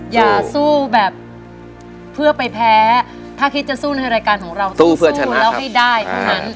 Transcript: อย่าสู้แบบเพื่อไปแพ้ถ้าคิดจะสู้ในรายการของเราสู้เพื่อคุณแล้วให้ได้เท่านั้น